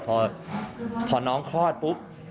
เพราะพอน้องคลอดปุ๊บ